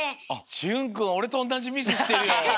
しゅんくんおれとおんなじミスしてるよ！